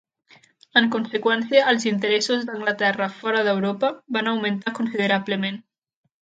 En conseqüència, els interessos d'Anglaterra fora d'Europa van augmentar considerablement.